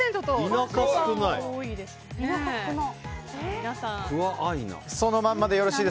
田舎、少ない。